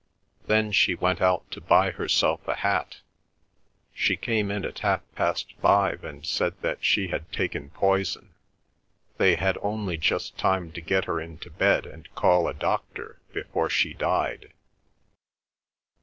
Then she went out to buy herself a hat. She came in at half past five and said that she had taken poison. They had only just time to get her into bed and call a doctor before she died.